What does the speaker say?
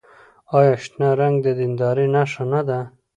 آیا شنه رنګ د دیندارۍ نښه نه ده؟